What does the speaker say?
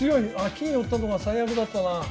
金寄ったのが最悪だったな。